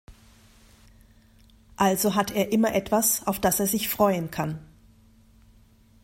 Also hat er immer etwas, auf das er sich freuen kann.